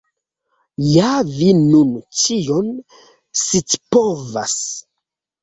Ja vi nun ĉion scipovas!